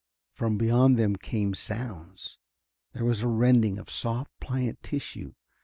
From beyond there came sounds. There was rending of soft, pliant tissue.